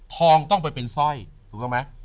ทองต้องไปเป็นสร้อยถูกต้องไหม